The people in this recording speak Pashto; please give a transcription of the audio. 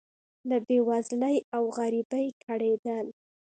له بې وزلۍ او غریبۍ کړېدل.